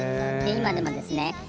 今でもですね